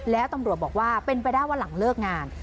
แล้วตำรวจบอกว่าเป็นไปได้ว่าหลังเลิกงาน